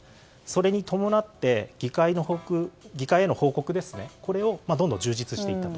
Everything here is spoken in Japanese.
それに伴って議会への報告をどんどん充実していった。